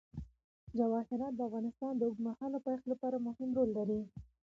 جواهرات د افغانستان د اوږدمهاله پایښت لپاره مهم رول لري.